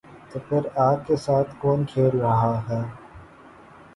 تو پھر آگ کے ساتھ کون کھیل رہا ہے؟